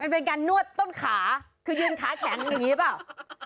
เป็นการนวดต้นขาคือยืนขาแขนอย่างนี้หรือเปล่า